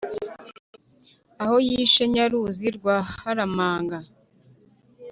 aho yishe nyaruzi rwa haramanga